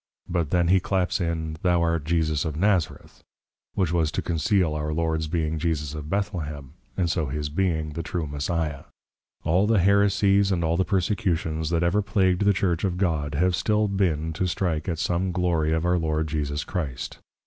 _ but then he claps in, Thou art Jesus of Nazareth; which was to conceal our Lords being Jesus of Bethlehem, and so his being, The True Messiah. All the Heresies, and all the Persecutions, that ever plagued the Church of God, have still been, to strike at some Glory of our Lord Jesus Christ.